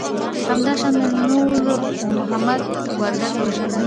همدا شان د نور محمد وردک وژنه